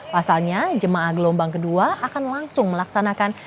pasalnya jemaah gelombang kedua akan langsung melaksanakan